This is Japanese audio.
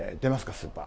スーパー。